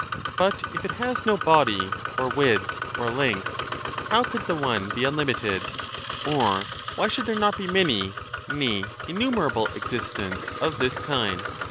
But if it has no body or width 30 or length, how could the One be unlimited ? Or why should there not be many, nay innumerable, existents of this kind ?